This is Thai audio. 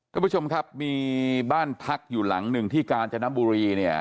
ท่านผู้ชมครับมีบ้านพักอยู่หลังหนึ่งที่กาญจนบุรีเนี่ย